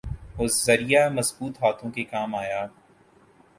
وہ ذریعہ مضبوط ہاتھوں کے کام آیا۔